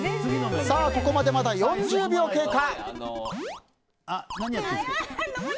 ここまで４０秒経過。